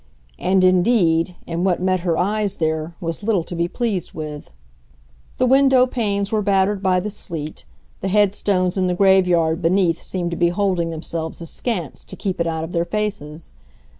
And indeed, in what met her eyes there was little to be pleased with. The window panes were battered by the sleet; the head stones in the grave yard beneath seemed to be holding themselves askance to keep it out of their faces.